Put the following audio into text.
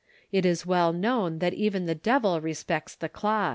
It is well known that even the devil respects the cloth.